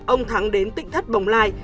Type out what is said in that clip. ông thắng đến tỉnh thất bồng lai